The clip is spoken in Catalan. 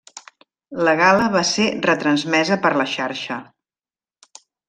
La gala va ser retransmesa per La Xarxa.